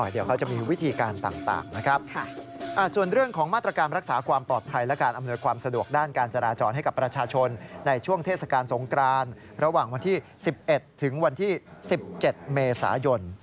เดี๋ยวเขาจะมีวิธีการต่างนะครับส่วนเรื่องของมาตรการรักษาความปลอดภัยและการอำนวยความสะดวกด้านการจราจรให้กับประชาชนในช่วงเทศกาลสงกรานระหว่างวันที่๑๑ถึงวันที่๑๗เมษายน